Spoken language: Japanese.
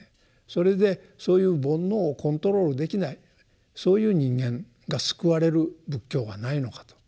それでそういう煩悩をコントロールできないそういう人間が救われる仏教はないのかと。